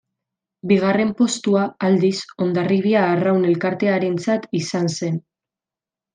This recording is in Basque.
Bigarren postua, aldiz, Hondarribia Arraun Elkartearentzat izan zen.